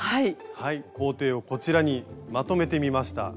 行程をこちらにまとめてみました。